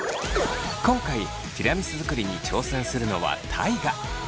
今回ティラミス作りに挑戦するのは大我。